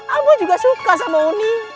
aku juga suka sama uni